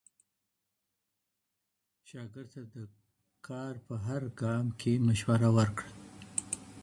شاګرد ته د کار په هر ګام کي مشوره ورکړه.